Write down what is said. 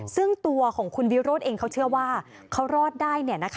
ซึ่งตัวของคุณวิโรธเองเขาเชื่อว่าเขารอดได้